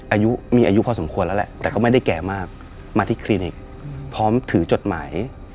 อายุมีอายุพอสมควรแล้วแหละแต่ก็ไม่ได้แก่มากมาที่คลินิกพร้อมถือจดหมาย